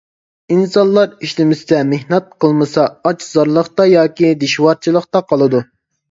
ئىنسانلار ئىشلىمىسە، مېھنەت قىلمىسا ئاچ-زارلىقتا ياكى دىشۋارچىلىقتا قالىدۇ.